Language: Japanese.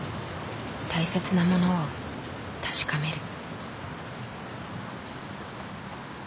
大切なものを確かめる。